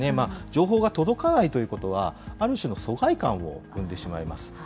情報が届かないということは、ある種の疎外感を生んでしまいます。